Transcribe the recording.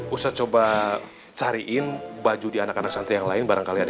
ustadz coba cariin baju di anak anak santri yang lain barangkali ada yang lain